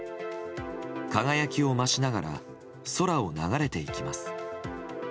輝きを増しながら空を流れていきます。